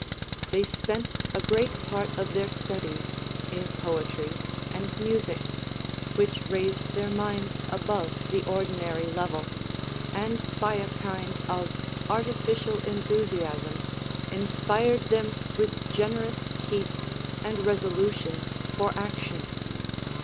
* 14. They spent a great part of their studies in poetry and music, which raised their minds above the ordinary level, and by a kind of artificial enthusiasm inspired them with generous heats and resolutions for action.